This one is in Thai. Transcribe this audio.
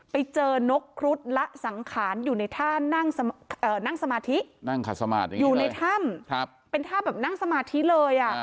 ไปเจอนกครุฑละสังขารอยู่ในท่านั่งสมาธินั่งขัดสมาธิอยู่ในถ้ำเป็นท่าแบบนั่งสมาธิเลย